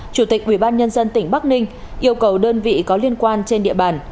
chủ tịch ubnd tỉnh bắc ninh yêu cầu đơn vị có liên quan trên địa bàn